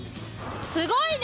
すごいね！